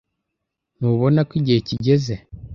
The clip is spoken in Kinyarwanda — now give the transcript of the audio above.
Ntubona ko igihe kigeze?